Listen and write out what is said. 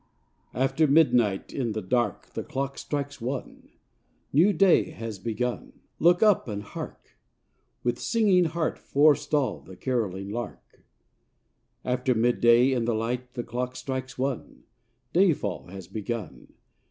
A FTER midnight, in the dark The clock strikes one, — New day has begun. Look up and hark ! With singing heart forestall the carolling lark. After midday, in the light The clock strikes one, — Day fall has begun.